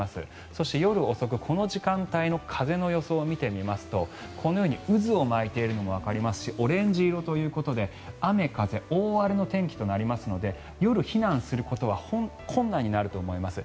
そして、夜遅くこの時間帯の風の予想を見てみますとこのように渦を巻いているのもわかりますしオレンジ色ということで雨、風大荒れの天気となりますので夜、避難することは困難になると思います。